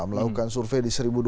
melakukan survei di seribu dua ratus